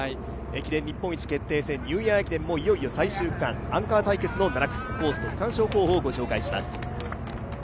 駅伝日本一決定戦・ニューイヤー駅伝もいよいよ最終区間、アンカー対決の７区、コースと区間賞をご紹介します。